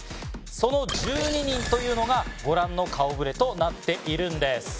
その１２人というのがご覧の顔触れとなっているんです。